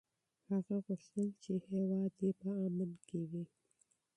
هغه غوښتل چې هېواد یې په امن کې وي.